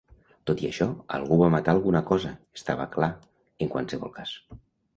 Tot i això, algú va matar alguna cosa: estava clar, en qualsevol cas.